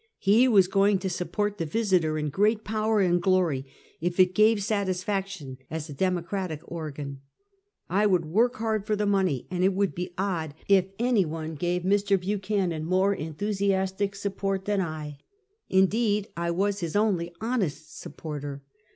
He was go ing to support the Yisiter in great power and glory, if it gave satisfaction as a democratic organ. I would work hard for the money, and it would be odd if any .182 Half a Centuet. one gave Mr. Buchanan a more entliusiastic support than I. Indeed, I was bis only honest supporter.